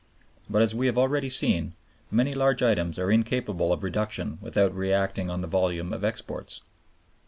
But, as we have already seen, many large items are incapable of reduction without reacting on the volume of exports.